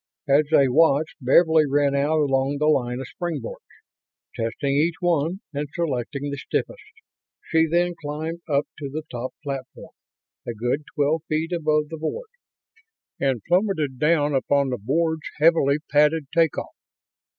As they watched, Beverly ran out along the line of springboards; testing each one and selecting the stiffest. She then climbed up to the top platform a good twelve feet above the board and plummeted down upon the board's heavily padded take off.